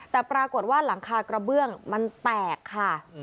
แต่ปรากฏว่าหลังคากระเบื้องมันแตกค่ะ